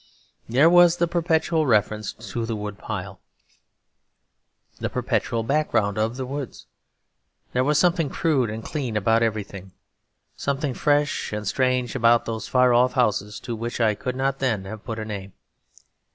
There was the perpetual reference to the wood pile, the perpetual background of the woods. There was something crude and clean about everything; something fresh and strange about those far off houses, to which I could not then have put a name.